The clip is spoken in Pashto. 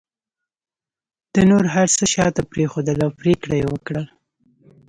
ده نور هر څه شاته پرېښودل او پرېکړه یې وکړه